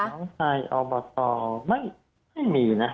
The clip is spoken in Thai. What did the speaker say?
น้องชายอปไม่ไม่มีนะ